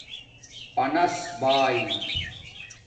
پانس بائ